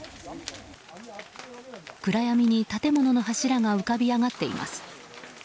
暗闇に建物の柱が浮かび上がっています。